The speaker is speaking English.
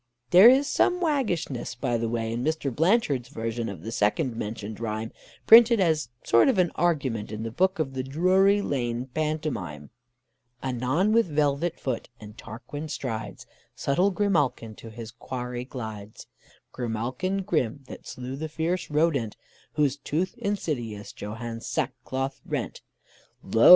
There is some waggishness, by the way, in Mr. Blanchard's version of the second mentioned rhyme, printed, as a sort of argument, in the book of the Drury Lane Pantomime: "Anon, with velvet foot and Tarquin strides, Subtle Grimalkin to his quarry glides; Grimalkin grim, that slew the fierce Rodent, Whose tooth insidious Johann's sackcloth rent. Lo!